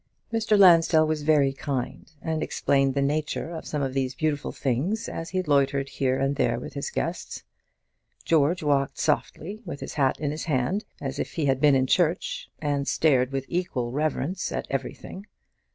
Mr. Lansdell was very kind, and explained the nature of some of these beautiful things as he loitered here and there with his guests. George walked softly, with his hat in his hand, as if he had been in church, and stared with equal reverence at everything.